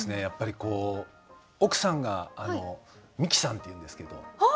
やっぱりこう奥さんがミキさんっていうんですけど。